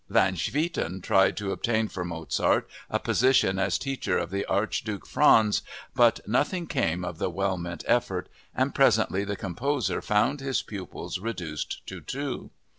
Van Swieten tried to obtain for Mozart a position as teacher of the Archduke Franz, but nothing came of the well meant effort, and presently the composer found his pupils reduced to two.